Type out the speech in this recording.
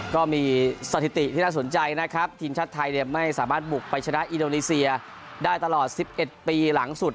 ก็มีสถิติที่น่าสนใจนะครับทีมชาติไทยไม่สามารถบุกไปชนะอินโดนีเซียได้ตลอด๑๑ปีหลังสุด